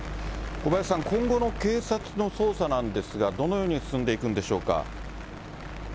小林さん、今後の警察の捜査なんですが、どのように進んでいくんでしょうか。